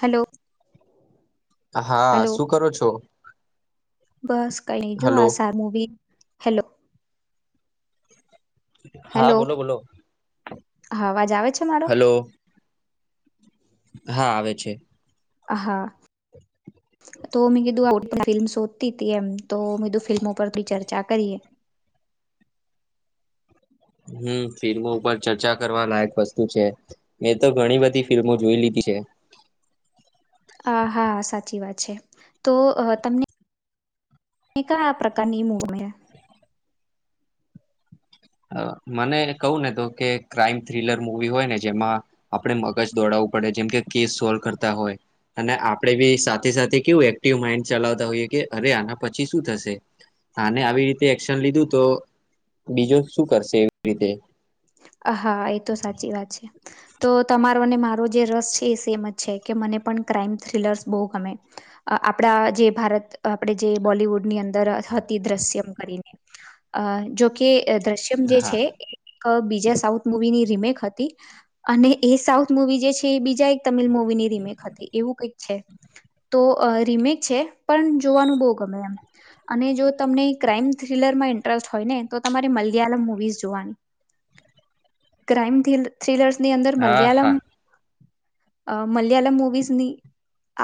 Hello. હા શું કરો છો. બસ કઈની જો હલો આ સાર મુવી હેલો હા હેલો બોલો બોલો. હા અવાજ આવે છે. મારો હલો. હા આવે છે. હ હા તો મે કધું ફિલ્મ શોધતી હતી એમ. તો મે કીધું ફિલ્મો પર કંઈ ચર્ચા કરીએ. હમ ફિલ્મો ઉપર ચચાૅ કરવા લાયક વસ્તુ છે. મેં તો ઘણી બધી ફિલ્મો જોઈ લીધી છે. આ હા સાચી વાત છે, તો તમને એ કયા પ્રકારની [unintelligible] મને કહું ને તો કે ક્રાઈમ થ્રીલર મુવી હોય ને જેમાં આપડે મગજ દોડાવવું પડે કે કેસ સોલ્વ કરતા હોય. અને આપડે બી સાથે સાથે કેવું એકટીવ માઈન્ડ ચલાવતા હોઈએ કે અરે આના પછી શું થશે? આને આવી રીતે એક્શન લીધું તો બીજો શું કરશે એવી રીતે. હા એ તો સાચી વાત છે. તો તમારો અને મારો જે રસ છે, એ સેમ જ છે, કે મને પણ ક્રાાઈમ થ્રીલર્સ બો ગમે અ આપણા જે ભારત આપણે જે બોલિવુડની અંદર હતી દ્રશ્યમ કરીને અ જોકે દ્રશ્યમ જે હા છે, એક બી જ્યાં સાઉથ મુવીની રીમેક હતી. અને એ સાઉથ મુવી જે છે, એ બીજા એક તમિલ મુવીની રીમેક હતી એવું કંઈક છે. તો અ રીમેક છે, પણ જોવાનું બો ગમે એમ અને જો તમને ક્રાઈમ થ્રીલરમાં ઇન્ટરેસ્ટ હોય ને તો તમારે મલયાલમ મુવીઝ જોવાની. ક્રાાઈમ થરી થ્રીલર્સની અંદર હા મલયાલમ [inaudible] અ મલયાલમ મુવીઝની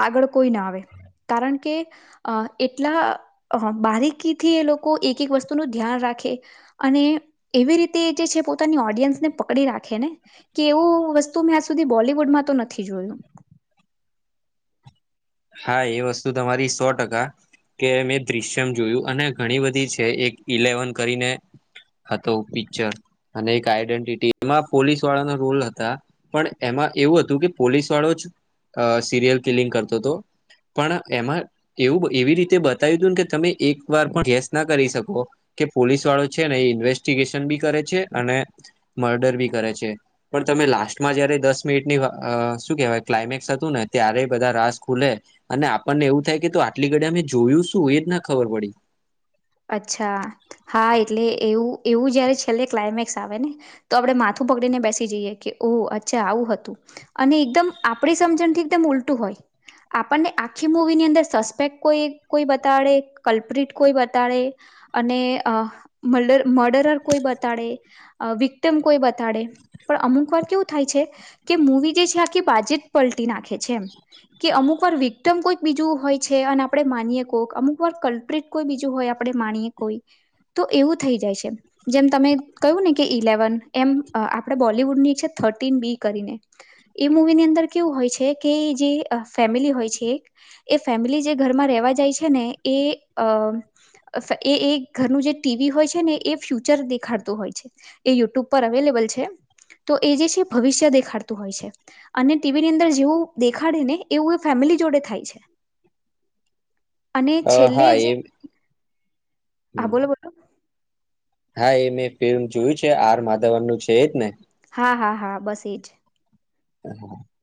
આગળ કોઈ ના આવે કારણ કે અ એટલા બારીકીથી એ લોકો એક એક વસ્તુનું ધ્યાન રાખે અને એવી રીતે જે છે, પો પોતાની ઓડિયન્સને પકડી રાખેને કે એવું વસ્તુ મેં આજ સુધી બોલીવુડમાં તો નથી જોયું. હા એ વસ્તુ તમારી સો ટકા કે મેં દ્રશ્યમ જોયું અને ઘણી બધી છે, એક ઇલેવન કરીને હતો પિક્ચર અને એક આઈડેન્ટિટી એમાં પોલીસ વાળા નો રુલ હતા. પણ એમાં એવું હતું કે પોલીસ વાળો જ અ સિરિયલ કિલિંગ કરતોતો. પણ એમાં એવું એવી રીતે બતાવ્યું હતું ને કે તમે એક વાર પણ ગેસ ના કરી શકો કે પોલીસ વાળો છે, ને એ ઇન્વેસ્ટીગેશન બી કરે છે, અને મર્ડર બી કરે છે. પણ તમે લાસ્ટમાં જયારે દસ મિનિટની વા અ શું કેહેવાય ક્લાયમેક્સ હતું ને ત્યારે બધા રાસ ખુલે અને આપણને એવું થાય કે તો આટલી ઘડી અમે જોયું શું એજ ના ખબર પડી અચ્છા હા એટલે એવું એવું જયારે છેલ્લે ક્લાયમેક્સ આવે ને તો આપડે માથું પકડીને બેસી જઈએ કે ઓહ અચ્છા આવું હતું. અને એકદમ આપણી સમજણથી એકદમ ઉલટું હોય. આપણને આખી મુવીની અંદર સસ્પેક કોઈ કોઈ બતાડે કલ્પ્રિટ કોઈ બ તાડે અને અ મડર મર્ડરર કોઈ બતાડે અ વિક્ટમ કોઈ બતાડે પણ અમુક વાર કેવું થાય છે. કે મૂવી જે છે, આખી બાજી જ પલટી નાખે છે, એમ કે અમુક વાર વિ ક્ટમ કોઈક બીજું હોય છે, અને આપડે માનીએ કોક અમુક વાર કલ્પ્રિટ કોઈ બી હોય આપણે માણીએ કોઈ તો એવું થઈ જાય છે. જેમ તમે કહ્યું ને કે ઇલેવન એમ અ આપણે બોલિવુડની છે, થર્ટીન બી કરીને એ મૂવીની અંદર કેવું હોય છે, કે જે ફેમિલી હોય છે. એ ફેમિલી જે ઘરમાં રહેવા જાય છે, ને એ અ એ એ ઘરનું જે ટીવી હોય છે, ને એ ફ્યુચર દેખાડતું હોય છે. એ યુટ્યુબ પર અવેલેબલ છે, તો એ જે છે, ભવિષ્ય દેખાડતું હોય છે. અને ટીવીની અંદર જેવું દેખાડે ને એવું એ ફેમિલી જોડે થાય છે. [inaudible] અને અ છેલ્લે હા એ જે હા બોલો બો હા એ મેં ફિલ્મ જોયું છે, આર માધવનનું છે, એજ ને? હા હા હા બસ એ જ [inaudible]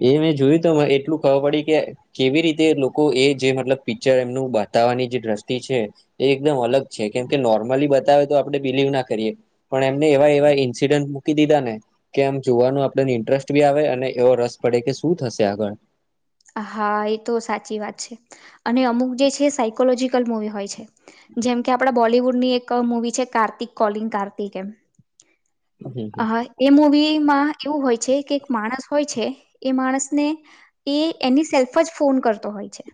એવી જોયું તો એટલું ખબર પડી કે કેવી રીતે લોકો એ જે મતલબ પિક્ચર એમનું બતાવવાની જે દ્રષ્ટિ છે. એ એકદમ અલગ છે, કેમ કે નોર્મલી બતાવે તો આપડે બિલીવ કરીએ પણ એમને એવા એવા ઇન્સિડન્ટ મૂકી દીધા ને કે આમ જોવાનું આપડ ઇન્ટરેસ્ટ બી આવે અને એવો રસ પડે કે શું થશે આગળ હા એ તો સાચી વાત છે, અને અમુક જે છે, સાયકોલોજીકલ મુવી હોય છે. જેમ કે આપડા બોલિવુડની એક મુવી છે, કાર્તિક કોલિંગ કાર્તિક એમ હમ હમ હા એ મૂવીમાં એવું હોય છે, કે એક માણસ હોય છે, એ માણસને એ એની સેલ્ફ જ ફોન કરતો હોય છે.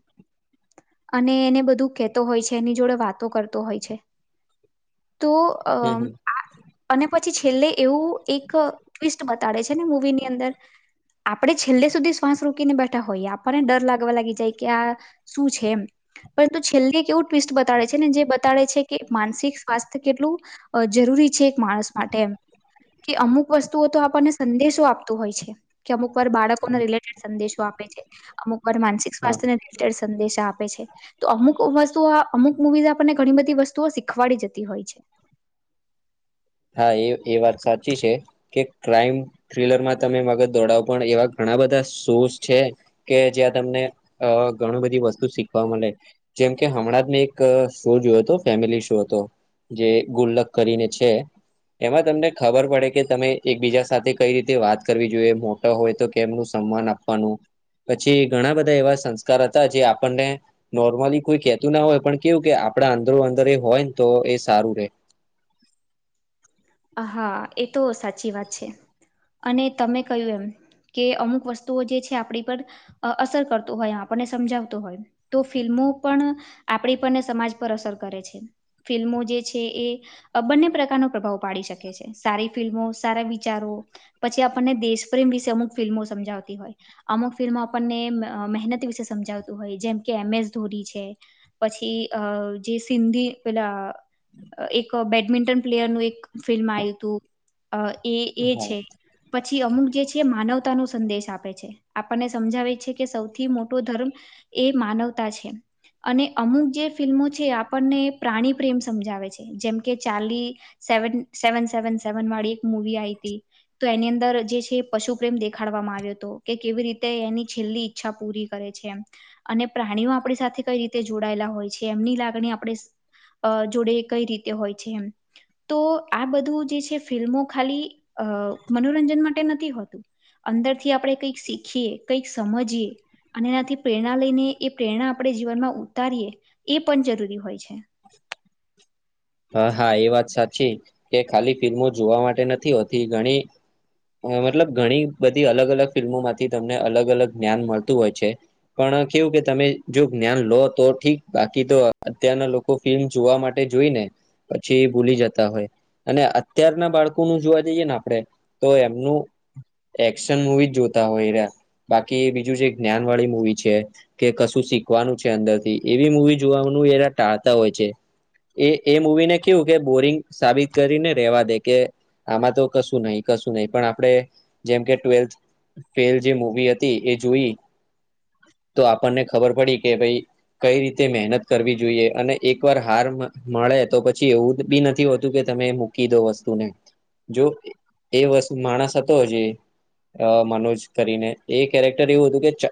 અને એને બધું કેતો હોય છે, એની જોડે વાતો કરતો હોય છે. તો અ હમ હમ આ અને પછી છેલ્લે એવું એક ટ્વિસ્ટ બતાડે છે, ને મૂવીની અંદર આપડે છેલ્લે સુધી શ્વાસ રોકીને બેઠા હોઈએ આપણને ડર લાગવા લાગી જાય કે આ શું છે. એમ પરંતુ છેલ્લે કેવું ટ્વિસ્ટ બતાડે છે, ને જે બતાડે છે, કે માનસિક સ્વાસ્થ્ય કેટલું અ જરૂરી છે, એક માણસ માટે એમ કે અમુક વસ્તુઓ તો આપણને સંદેશો આપતું હોય છે. કે અમુક વાર બાળકોને રિલેટેડ સંદેશો આપે છે, અમુક વાર માનસિક હા સ્વાસ્થ્યને રિલેટેડ સંદેશા આ પે છે, તો અમુક વસ્તુ અમુક મુવીઝ આપણને ઘણી બધી વસ્તુઓ શીખવાડી જતી હોય છે. હા એ એ વાત સાચી છે. કે ક્રાઈમ થ્રીલરમાં તમે મગજ દોડાવો પણ એવા ઘણા બધા શોસ છે. કે જ્યાં તમને અ ઘણુ બધી વસ્તુ શીખવા મલે જેમકે હમણાં જ મેં એક શો જોયો હતો ફેમિલી શો હતો. જે ગુલ્લક કરીને છે. એમાં તમને ખબર પડે કે તમે એકબીજા સાથે કઈ રીતે વાત કરવી જોઈએ મોટા હોય તો કેમનું સન્માન આ વાનું પછી ઘણા બધા એવા સંસ્કાર હતા જે આપણને નોર્મલી કોઈ કેતું ના હોય પણ કેવું કે આપડા અંદરો અંદર એ હોય ને તો એ સારું રે એ તો સાચી વાત છે, અને તમે કહ્યું એમ કે અમુક વસ્તુઓ જે છે, આપણી પર અ અસર કરતો હોય આપણને સમજાવતો હોય તો ફિલ્મો પણ આપણી પરને સમાજ પર અસર કરે છે, ફિલ્મો જે છે, એ બંને પ્રકારનો પ્રભાવ પાડી શકે છે, સારી ફિલ્મો સારા વિચારો પછી આપણને દેશ પ્રેમ વિશે અમુક ફિલ્મો સમજાવતી હોય. અમુક ફિલ્મ મ મહેનત વિશે સમજાવતું હોય જેમ કે એમ એસ ધોની છે. પછી અ જે સિધી પેલા એક બેડમિન્ટન પ્લેયરનું એક ફિલ્મ આઈતું અ એ એ હા છે. પછી અમુક જે છે, માનવતા નો સંદેશ આપે છે. આપણને સમજાવે છે, કે સૌથી મોટો એ માનવતા છે. અને અમુક જે ફિલ્મો છે, આપણને પ્રાણી પ્રેમ સમજાવે છે, જેમ કે ચાલી સેવન સેવન સેવન સેવન વાળી એક મૂવી આઈ તી. તો એની અંદર જે છે પશુ પ્રેમ દેખાડવામાં આવ્યો તો કે કેવી રીતે એની છેલ્લી ઈચ્છા પૂરી કરે છે એમ. અને પ્રાણીઓ આપણી સાથે કઈ રીતે જોડાયેલા હોય છે, એમની લાગણી આપણે અ જોડે કઈ રીતે હોય છે એમ. તો આ બધું જે છે, ફિલ્મો ખાલી અ મનોરંજન માટે નથી હોતું. અંદર થી આપણે કંઈક શીખીએ, કંઈક સમજીએ અને એનાથી પ્રેરણા લઈને એ પ્રેરણા આપણે જીવનમાં ઉતારીએ, એ પણ જરૂરી હોય છે. [inaudible] હા હા, એ વાત સાચી. કે ખાલી ફિલ્મો જોવા માટે નથી હોતી ઘણી મતલબ ઘણી બધી અલગ અલગ ફિલ્મોમાંથી તમને અલગ અલગ જ્ઞાન મળતું હોય છે. પણ કેવું કે તમે જો જ્ઞાન લો તો ઠીક, બાકી તો અત્યારના લોકો ફિલ્મ જોવા માટે જોઈ ને પછી ભૂલી જતા હોય. અને અત્યારના બાળકોનું જોવા જઈએ ને આપડે, તો એમનું એક્શન મુવી જ જોતા હોય એયરા, બાકી બીજું જે જ્ઞાન વાળી મુવી છે કે કશું શીખવાનું છે અંદર થી, એવી મુૂવી જોવાનું એયરા ટાળતા હોય છે. એ એ મૂવી ને કેવું કે બોરિંગ સાબિત કરીને રેવા દે કે આમાં તો કશું નહી, કશું નહી. પણ આપણેે જેમ કે ટ્વેલ્થ ફેલ જે મુવી હતી એ જોઈ, તો આપણને ખબર પડી કે ભાઈ કઈ રીતે મહેનત કરવી જોઈએ. અને એક વાર હાર મળે તો પછી એવું બી નથી હોતું, કે તમે મૂકી દો વસ્તુને. જો એ વસ્તુ માણસ હતો હ જે અ મનોજ કરીને, એ કેરેક્ટર એવું હતું કે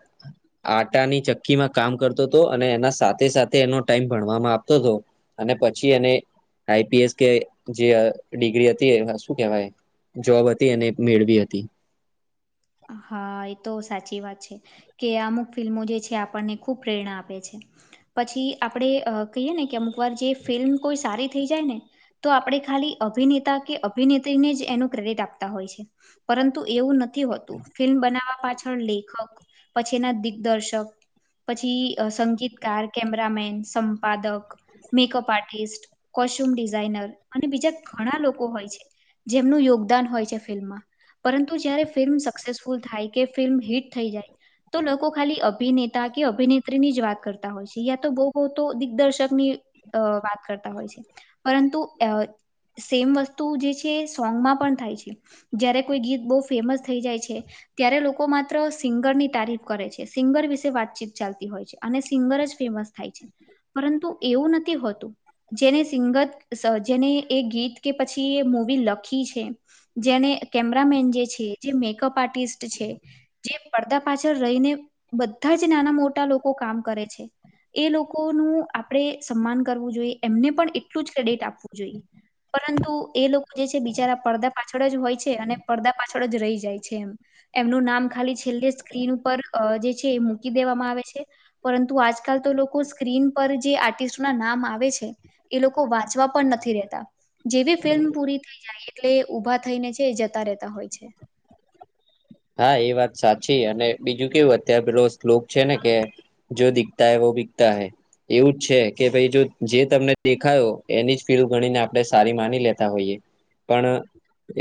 આટાની ચક્કી માં કામ કરતો હતો, અને એના સાથે સાથે એનો ટાઈમ ભણવામાં આપતો હતો. અને પછી એ આઈપીએસ કે જે ડિગ્રી હતી એ શું કેવાય જોબ હતી અને એ મેળવી હતી. હા એ તો સાચી વાત છે. કે અમુક ફિલ્મો જે છે આપણને ખૂબ પ્રેરણા આપે છે. પછી આપણે અ કહીએ ને કે અમુક વાર ફિલ્મ કોઈ સારી થઈ જાય ને તો આપણે ખાલી અભિનેતા કે અભિનેત્રીને જ એનું ક્રેડિટ આપતા હોય છે. પરંતુ એવું નથી હોત ફિલ્મ બનાવવા પાછળ લેખક પછી એના દિગ્દર્શક પછી સંગીતકાર કેમેરામેન સંપાદક મેકઅપ આર્ટિસ્ટ, કોસ્ટ્યુમ ડિઝઇનર અને બીજા ઘણા લોકો હોય છે. જેમનું યોગદાન હોય છે ફિલ્મમાં. પરંતુ જયારે ફિલ્મ સક્સેસફુલ થાય, કે ફિલ્મ હિટ થઈ જાય તો લોકો ખાલી અભિનેતા કે અભિનેત્રી ની જ વાત કરતા હોય છે. યા તો બહુ બહુ તો દિગ્દર્શકની અ વાત કરતા હોય છે. પરંતુ અ સેમ વસ્તુ જે છે એ સોંગમાં પણ થાય છે. જયારે કોઈ ગીત બહુ ફેમસ થઈ જાય છે. છે, ત્યારે લોકો માત્ર સિંગરની તારીફ કરે છે. સિંગર વિશે વાતચીત ચાલતી હોય છે. અને સિંગર જ ફેમસ થાય છે. પરંતુ એવું નથી હોતું. જેને સિંગર સ જેણે એ ગીત કે પછી એ મૂવી લખી છે. જેને કેમેરામેન જે છે, જે મેકઅપ આર્ટિસ્ટ છે. જે પડદા પાછળ રહીને, બધા જ નાના મોટા લોકો કામ કરે છે. એ લોકોનું આપણેે સન્માન કરવું જોઈએ. એમને પણ એટલું જ ક્રેડિટ આપવું જોઈએ. પરંતુ એ લોકો જે છે, તે બિચારા પડદા પાછળ જ હોય છે અને પડદા પાછળ જ રહી જાય છે. છે એમ, એમનું નામ ખાલી છેલ્લે સ્ક્રીન ઉપર જે છે એ મૂકી દેવામાં આવે છે. પરંતુ આજકાલ તો લોકો સ્ક્રીન પર જે આર્ટિસ્ટ ના નામ આવે છે. એ લોકો વાંચવા પણ નથી રહેતા. જેવી ફિલ્મ પૂરી થઈ જાય એટલે ઊભા થઈને જે જતા રહેતા હોય છે. હા એ વાત સાચી અને બીજું કેવું અત્યારે પેલો શ્લોક છે ને કે, જો દિખતા હે વો બીકતા હૈ. એવું છે કે ભઈ જો જે તમને દેખાયો એની જ ફિલ્મ ગણીને આપણે સારી માની લેતા હોઈએ. પણ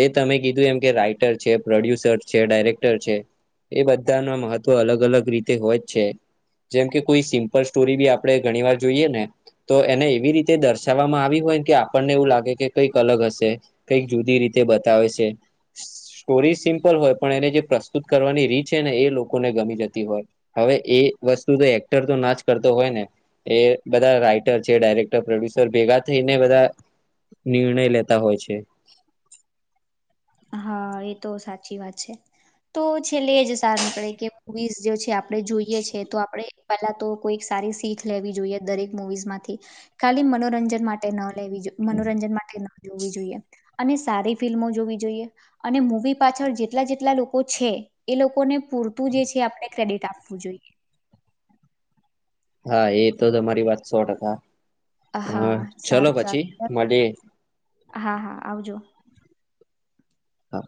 એ તમે કીધું એમ કે રાઈટર છે પ્રોડ્યુસર છે ડાયરેક્ટર છે, એ બધાના મહત્વ અલગ અલગ રીતે હોય જ છે. જેમકે કોઈ સિમ્પલ સ્ટોરી બી આપણેે ઘણી વાર જોઈએ ને. તો એને એવી રીતે દર્શાવવામાં આવી હોય કે આપણને એવું લાગે કે કઈક અલગ હશે. કઈક જુદી રીતે બતાવે છે સ્ટોરી સિમ્પલ હોય, પણ એને જે પ્રસ્તુત કરવાની રીત છે ને એ લોકોને ગમી જતી હોય. હવે એ વસ્તુ તો એક્ટર તો ના જ કરતો હોય ને. એ બધા રાઈટર છે, ડાયરેક્ટર પ્રોડ્યુસર ભેગા થઈને બધા નિર્ણય લેતા હોય છે. હા એ તો સાચી વાત છે. તો છેલ્લે એજ સાર નીકળે કે મુવીઝ જે છે આપણે જોઈએ છે તો આપણે પહેલા તો કોઈ સારી શીખ લેવી જોઈએ દરેક મુવીઝ માંથી. ખાલી મનોરંજન માટે ન લેવી જોઈ મનોરંજન માટે ન જોવી જોઈએ. અને સારી ફિલ્મો જોવી જોઈએ અને મૂવી પાછળ જેટલા જેટલા લોકો છે, એ લોકોને પૂરતું જે છે આપણે ક્રેડિટ આપવું જોઈએ. હા એ તો તમારી વાત સો ટકા, હા [unintelligible] ચલો સારું પછી સારું મળીએ. હા હા આવજો. હા.